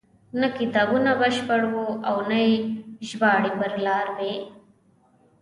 نه کتابونه بشپړ وو او نه یې ژباړې پر لار وې.